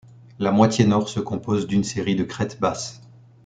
La moitié nord se compose d'une série de crêtes basses.